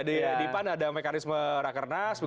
di pan ada mekanisme rakernas